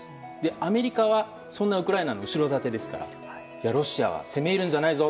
アメリカはそんなウクライナの後ろ盾ですからロシアは、攻め入るんじゃないぞ